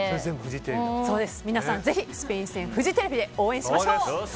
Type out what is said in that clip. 皆さん、ぜひスペイン戦フジテレビで応援しましょう！